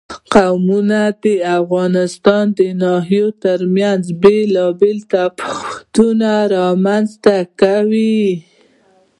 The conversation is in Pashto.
قومونه د افغانستان د ناحیو ترمنځ بېلابېل تفاوتونه رامنځ ته کوي.